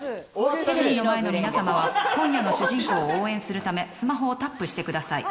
テレビの前のみなさまは今夜の主人公を応援するためスマホをタップしてください。